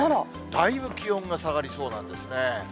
だいぶ気温が下がりそうなんですね。